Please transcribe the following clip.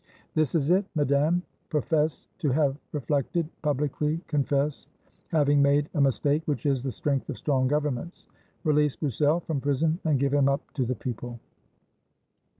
"This is it, Madame: Profess to have reflected; publicly confess having made a mistake, which is the strength of strong governments; release Broussel from prison, and give him up to the people."